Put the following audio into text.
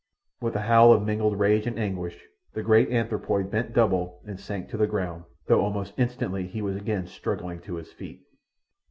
With a howl of mingled rage and anguish the great anthropoid bent double and sank to the ground, though almost instantly he was again struggling to his feet.